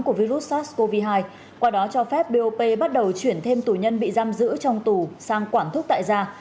của virus sars cov hai qua đó cho phép bop bắt đầu chuyển thêm tù nhân bị giam giữ trong tù sang quản thức tại gia